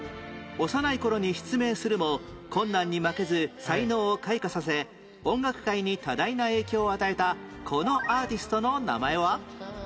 幼い頃に失明するも困難に負けず才能を開花させ音楽界に多大な影響を与えたこのアーティストの名前は？